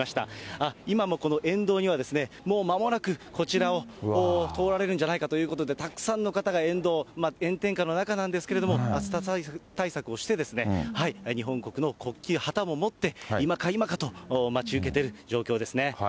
ああ、今もこの沿道には、もうまもなくこちらを通られるんじゃないかということで、たくさんの方が沿道、炎天下の中なんですけど、暑さ対策をして、日本国の国旗、旗を持って、今か今かと待ち受けている状況ですね。